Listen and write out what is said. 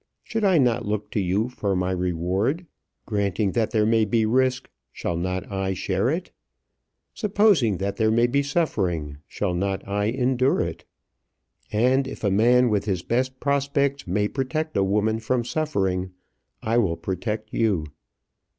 Should I not look to you for my reward? Granting that there may be risk, shall not I share it? Supposing that there may be suffering, shall not I endure it? And if a man with his best efforts may protect a woman from suffering, I will protect you."